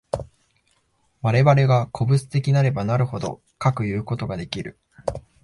我々が個物的なればなるほど、かくいうことができる。